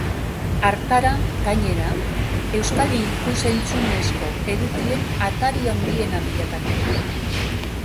Hartara, gainera, euskal ikus-entzunezko edukien atari handiena bilakatuko da.